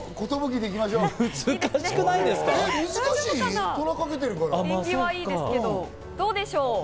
縁起はいいですけど、どうでしょう。